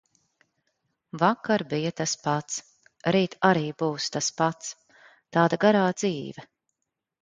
Vakar bija tas pats, rīt arī būs tas pats. tāda garā dzīve.